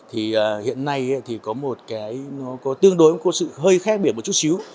hiện nay có một tương đối hơi khác biệt một chút xíu